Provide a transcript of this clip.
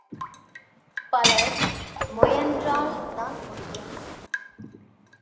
பலர் முயன்றால் தான் முடியும்.